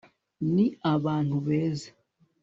ni abantu beza